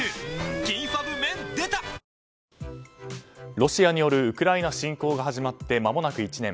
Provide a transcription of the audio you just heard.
ロシアによるウクライナ侵攻が始まってまもなく１年。